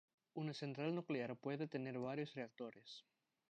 Una central nuclear puede tener varios reactores.